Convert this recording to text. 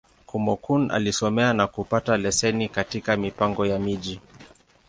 Kúmókụn alisomea, na kupata leseni katika Mipango ya Miji.